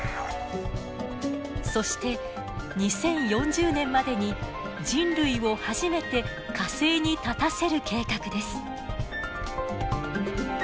そして２０４０年までに人類を初めて火星に立たせる計画です。